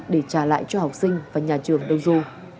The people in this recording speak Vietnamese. để trả lại cho học sinh và nhà trường đông du